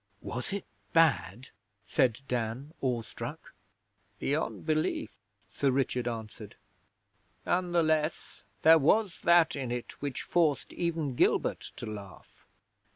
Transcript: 'Was it bad?' said Dan, awestruck. 'Beyond belief,' Sir Richard answered. 'None the less, there was that in it which forced even Gilbert to laugh.